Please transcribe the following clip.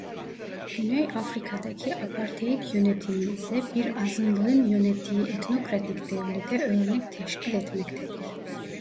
Güney Afrika'daki Apartheid yönetimi ise bir azınlığın yönettiği etnokratik devlete örnek teşkil etmektedir.